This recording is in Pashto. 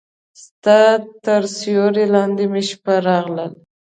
ستا تر سیوري لاندې مې شپه راغله